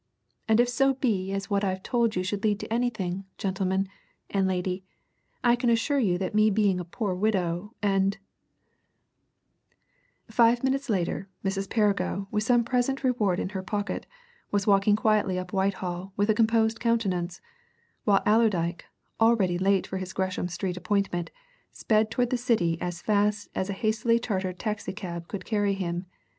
"And if so be as what I've told you should lead to anything, gentlemen and lady I can assure you that me being a poor widow, and " Five minutes later, Mrs. Perrigo, with some present reward in her pocket, was walking quietly up Whitehall with a composed countenance, while Allerdyke, already late for his Gresham Street appointment, sped towards the City as fast as a hastily chartered taxi cab could carry him.